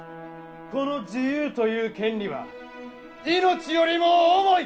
この自由という権利は命よりも重い！